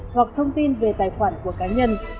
hoặc thông tin về tài khoản của cá nhân